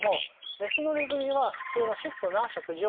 雌のネズミは普通の質素な食事を。